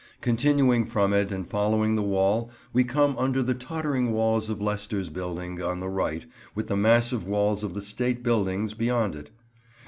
Continuing from it and following the wall, we come under the tottering walls of Leicester's building, on the right, with the massive walls of the state Buildings beyond it.